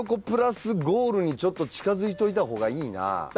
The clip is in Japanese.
プラスゴールにちょっと近づいといた方がいいな。